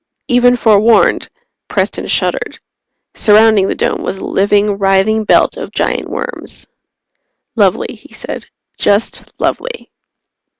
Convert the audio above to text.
Even forewarned, Preston shuddered. Surrounding the Dome was a living, writhing belt of giant worms. "Lovely," he said. "Just lovely."